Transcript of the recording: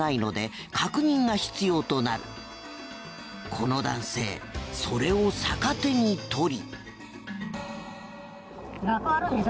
この男性それを逆手に取り。